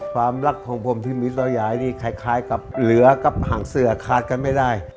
ความรักของผมที่มีต่อยายนี่คล้ายกับเหลือกับหางเสือขาดกันไม่ได้